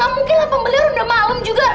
gak mungkin lah pembeli udah malem juga